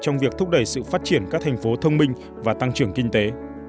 trong việc thúc đẩy sự phát triển các thành phố thông minh và tăng trưởng kinh tế